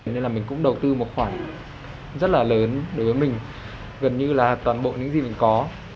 nên là mình cũng đầu tư một khoản rất là lớn đối với mình gần như là toàn bộ những gì mình có